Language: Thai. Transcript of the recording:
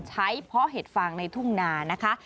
เพาะเห็ดฟางในทุ่งนานะคะ